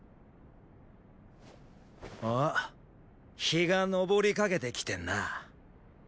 日が昇りかけてきてんな。